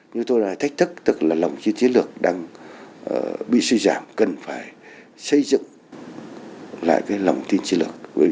nhưng tôi nói là thách thức tức là lòng tin chiến lược đang bị suy giảm cần phải xây dựng lại cái lòng tin chiến lược